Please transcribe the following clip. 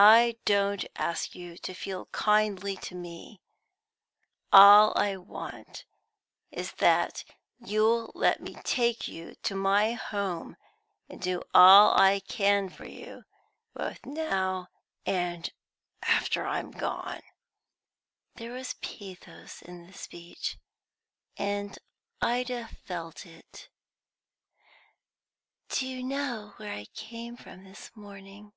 I don't ask you to feel kindly to me; all I want is that you'll let me take you to my home and do all I can for you, both now and after I'm gone." There was pathos in the speech, and Ida felt it. "Do you know where I came from this morning?"